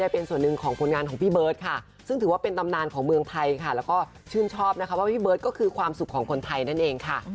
พี่เบิร์ทก็คือความสุขของคนไทยนั่นเองค่ะ